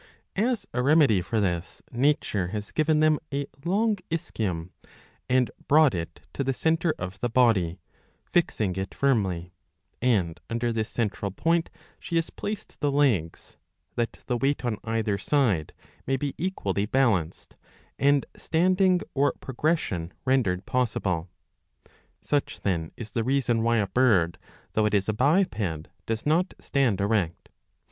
As a remedy for this nature has given them a long ischium, and brought it to the centre of the body, fixing it firmly ; and under this central point she has placed the legs, that the weight on either side may be equally balanced, and standing or progression rendered possible. Such then is the reason why a bird, though it is a biped, does not stand erect.